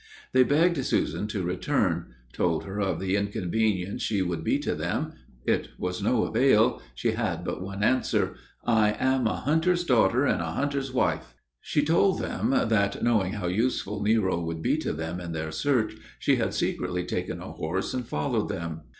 They begged Susan to return; told her of the inconvenience she would be to them. It was no avail; she had but one answer, "I am a hunter's daughter, and a hunter's wife." She told them that, knowing how useful Nero would be to them in their search, she had secretly taken a horse and followed them.